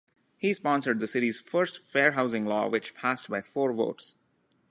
He sponsored the city's first fair housing law, which passed by four votes.